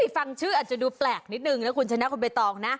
ฟังชื่ออาจจะดูแปลกนิดนึงนะคุณชนะคุณใบตองนะ